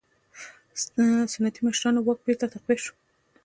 سنتي مشرانو واک بېرته تقویه شو.